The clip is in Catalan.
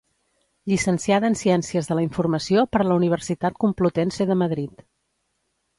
Llicenciada en Ciències de la Informació per la Universitat Complutense de Madrid.